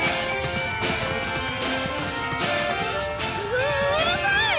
ううるさい。